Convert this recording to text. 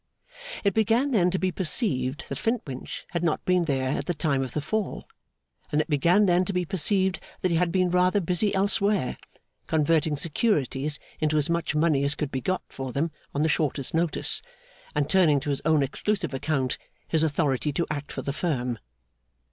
It began then to be perceived that Flintwinch had not been there at the time of the fall; and it began then to be perceived that he had been rather busy elsewhere, converting securities into as much money as could be got for them on the shortest notice, and turning to his own exclusive account his authority to act for the Firm.